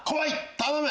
頼む！